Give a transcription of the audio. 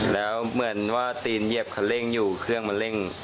แล้วเหมือนว่าตีนเหยียบคันเร่งอยู่เครื่องมันเร่ง